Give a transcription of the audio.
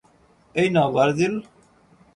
এই নাও, ভার্জিল।